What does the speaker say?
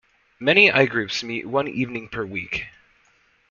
Many I-Groups meet one evening per week.